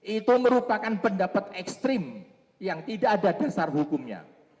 itu merupakan pendapat ekstrim yang tidak ada dasar hukumnya